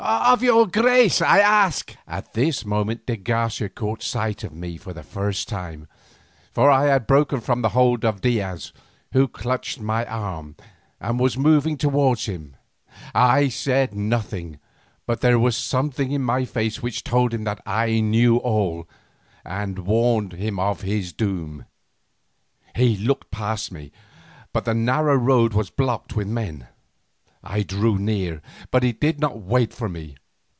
"Of your grace I ask—" At this moment de Garcia caught sight of me for the first time, for I had broken from the hold of Diaz who clutched my arm, and was moving towards him. I said nothing, but there was something in my face which told him that I knew all, and warned him of his doom. He looked past me, but the narrow road was blocked with men. I drew near, but he did not wait for me.